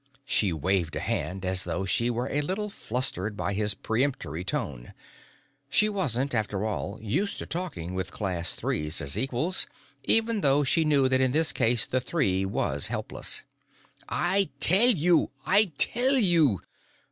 She waved a hand, as though she were a little flustered by his peremptory tone. She wasn't, after all, used to talking with Class Threes as equals, even though she knew that in this case the Three was helpless. "I tell you! I tell you!"